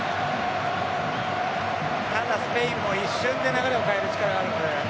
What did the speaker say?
ただスペインも一瞬で流れ変える力あるので。